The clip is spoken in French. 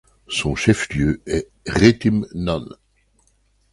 Son chef-lieu est Réthymnon.